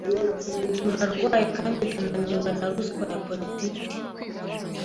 Turarwaye kandi tunaniwe na ruswa ya politiki.